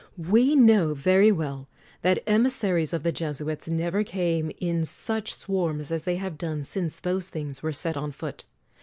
We know very well that emissaries of the Jesuits never came in such swarms as they have done since those things were set on foot.